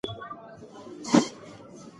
آیا تاسې د دورکهایم کتاب لیدلی دی؟